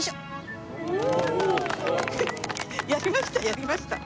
やりました！